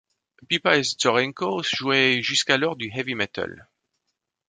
Pipa et Zdorenko jouaient jusqu'alors du heavy metal.